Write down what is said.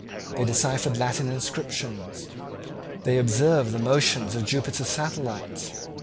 They deciphered Latin inscriptions. They observed the motions of Jupiter's satellites.